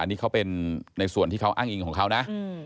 อันนี้เขาเป็นในส่วนที่เขาอ้างอิงของเขานะ